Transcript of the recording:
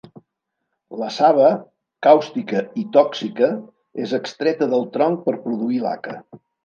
La saba, càustica i tòxica, és extreta del tronc per produir laca.